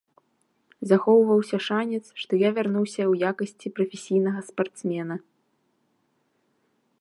Захоўваўся шанец, што я вярнуся ў якасці прафесійнага спартсмена.